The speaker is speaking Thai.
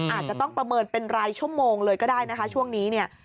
อาจจะต้องประเมินเป็นรายชั่วโมงเลยก็ได้นะคะช่วงนี้เนี่ย